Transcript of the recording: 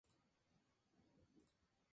Ese día se conmemoran sus martirios.